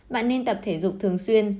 bạn nên tập thể dục thường xuyên